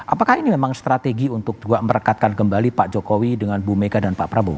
apakah ini memang strategi untuk juga merekatkan kembali pak jokowi dengan bu mega dan pak prabowo